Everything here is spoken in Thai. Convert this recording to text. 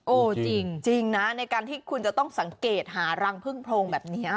จริงนะในการที่คุณจะต้องสังเกตหารังพึ่งโพรงแบบนี้